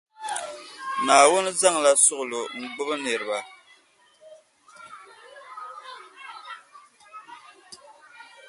Naawuni zaŋla suɣulo n gbubi niriba.